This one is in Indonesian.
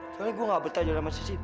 soalnya gue gak betah aja sama sissy